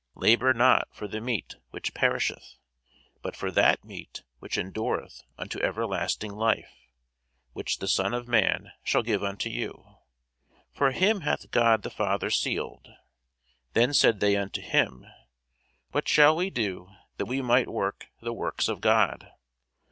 Labour not for the meat which perisheth, but for that meat which endureth unto everlasting life, which the Son of man shall give unto you: for him hath God the Father sealed. Then said they unto him, What shall we do, that we might work the works of God?